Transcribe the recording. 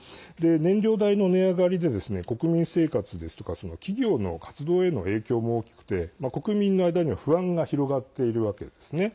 燃料代の値上がりで国民生活ですとか企業の活動への影響も大きくて国民の間には不安が広がっているわけですね。